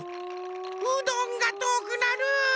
うどんがとおくなる。